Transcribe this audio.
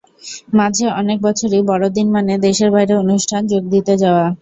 মাঝে অনেক বছরই বড়দিন মানে দেশের বাইরে অনুষ্ঠানে যোগ দিতে যাওয়া।